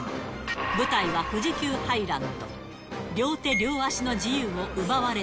舞台は富士急ハイランド。